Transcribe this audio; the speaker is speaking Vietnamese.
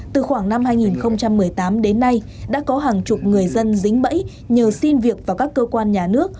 từ khoảng năm hai nghìn một mươi tám đến nay đã có hàng chục người dân dính bẫy nhờ xin việc vào các cơ quan nhà nước